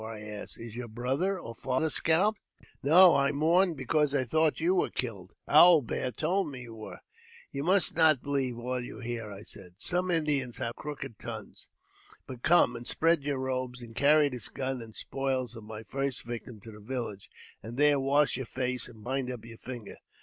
" I asked ; "is your brother or father scalped ?" "No; I mourned because I thought you were killed; Owl Bear told me you were." " You must not believe all you hear," I said ;" some Indians have crooked tongues. But come and spread your robe, and carry this gun and spoils of my first victim to the village, and there wash your face and bind up your finger."